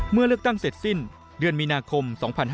เมื่อเลือกตั้งเสร็จสิ้นเดือนมีนาคม๒๕๕๙